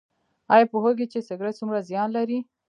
ایا پوهیږئ چې سګرټ څومره زیان لري؟